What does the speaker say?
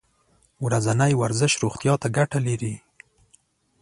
ورځنی ورزش روغتیا ته ګټه لري.